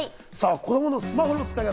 子供のスマホの使い方。